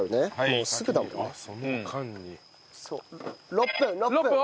６分６分。